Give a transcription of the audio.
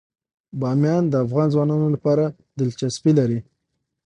بامیان د افغان ځوانانو لپاره دلچسپي لري.